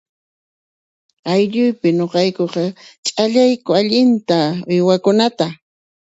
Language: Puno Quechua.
Aylluipi ñuqaykuqa ch´allayku allinta uywakunata